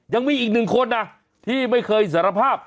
ยังมีอีก๑คนที่ไม่เคยสารภาพ